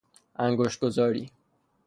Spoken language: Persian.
انگشت گذاری